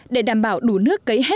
để đảm bảo đủ nước cấy hết